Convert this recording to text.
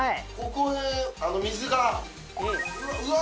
ここ、水が。